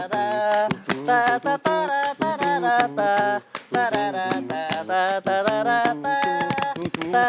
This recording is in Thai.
ขอบคุณครับ